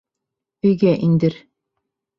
Өйгә индер.